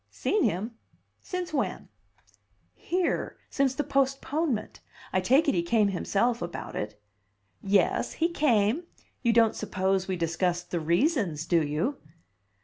"Seen him? Since when?" "Here. Since the postponement. I take it he came himself about it." "Yes, he came. You don't suppose we discussed the reasons, do you?"